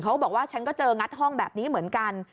เขาบอกว่าฉันก็เจองัดห้องแบบนี้เหมือนกัน